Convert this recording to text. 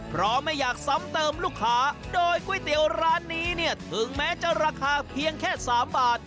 เพราะไม่อยากซ้ำเติมลูกค้าโดยก๋วยเตี๋ยวร้านนี้เนี่ยถึงแม้จะราคาเพียงแค่๓บาท